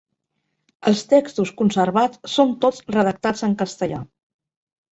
Els textos conservats són tots redactats en castellà.